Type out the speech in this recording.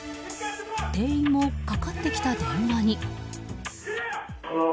店員もかかってきた電話に。